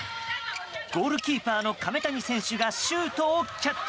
ゴールキーパーの亀谷選手がシュートをキャッチ。